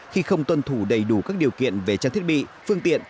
khi không tuân thủ đầy đủ các điều kiện về trang thiết bị phương tiện